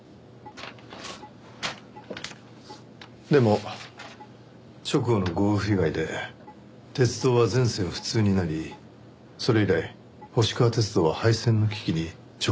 でも直後の豪雨被害で鉄道は全線不通になりそれ以来星川鐵道は廃線の危機に直面し続けてる。